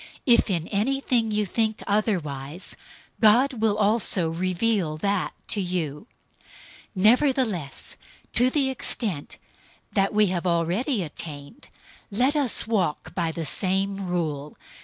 If in anything you think otherwise, God will also reveal that to you. 003:016 Nevertheless, to the extent that we have already attained, let us walk by the same rule.